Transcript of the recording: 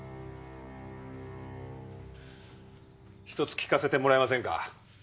ひとつ聞かせてもらえませんか？